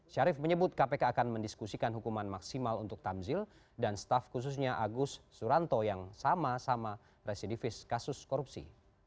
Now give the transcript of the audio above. syarif menyebut kpk akan mendiskusikan hukuman maksimal untuk tamzil dan staff khususnya agus suranto yang sama sama residivis kasus korupsi